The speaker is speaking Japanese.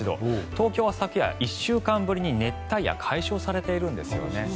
東京は昨夜、１週間ぶりに熱帯夜解消されているんですね。